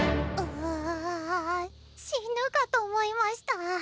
ううああ死ぬかと思いました。